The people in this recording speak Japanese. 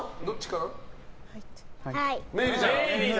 はい！